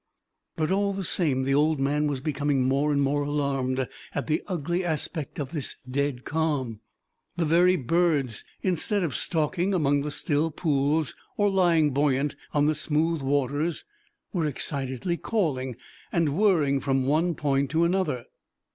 But all the same the old man was becoming more and more alarmed at the ugly aspect of this dead calm. The very birds, instead of stalking among the still pools, or lying buoyant on the smooth waters, were excitedly calling, and whirring from one point to another.